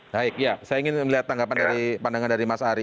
baik saya ingin melihat tanggapan dari pandangan dari mas ari